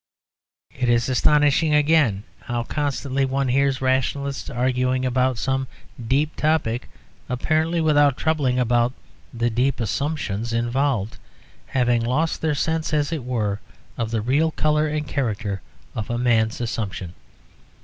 It is astonishing, again, how constantly one hears rationalists arguing upon some deep topic, apparently without troubling about the deep assumptions involved, having lost their sense, as it were, of the real colour and character of a man's assumption.